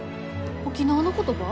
沖縄の言葉？